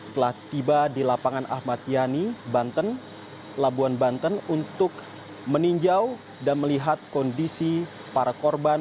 telah tiba di lapangan ahmad yani labuan banten untuk meninjau dan melihat kondisi para korban